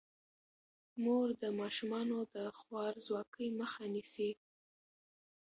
مور د ماشومانو د خوارځواکۍ مخه نیسي.